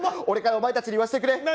俺からお前たちに言わせてくれ。